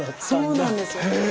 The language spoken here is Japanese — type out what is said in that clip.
そうなんですよ。